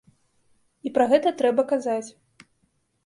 І пра гэта трэба казаць.